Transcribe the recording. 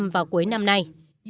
vào cuối năm nay